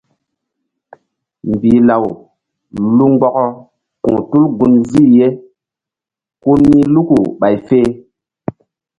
Mbilaw lu mgbɔkɔ ku̧h tul gunzih ye ku nih Luku ɓay fe.